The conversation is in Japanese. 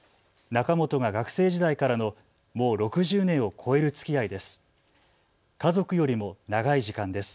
仲本が学生時代からのもう６０年を超えるつきあいです。